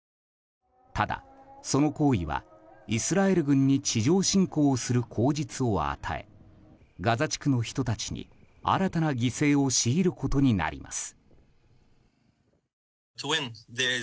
ただ、その行為はイスラエル軍に地上侵攻をする口実を与えガザ地区の人たちに新たな犠牲を強いることになります。